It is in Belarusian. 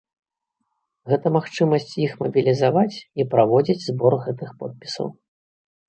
Гэта магчымасць іх мабілізаваць і праводзіць збор гэтых подпісаў.